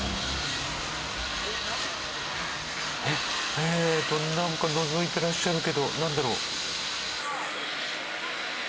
ええなんかのぞいてらっしゃるけどなんだろう？